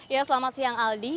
ya selamat siang aldi